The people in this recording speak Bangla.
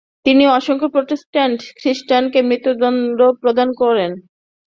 তিনি অসংখ্য প্রটেস্ট্যান্ট খ্রিস্টানকে মৃত্যুদণ্ড প্রদান করেন।